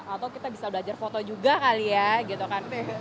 atau kita bisa belajar foto juga kali ya gitu kan